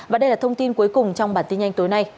và đây là thông tin cuối cùng trong bản tin nhanh tối nay